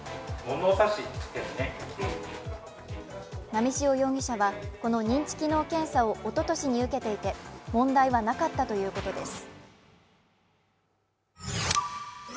波汐容疑者はこの認知機能検査をおととしに受けていて問題はなかったということです。